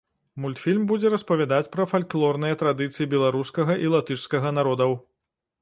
Мультфільм будзе распавядаць пра фальклорныя традыцыі беларускага і латышскага народаў.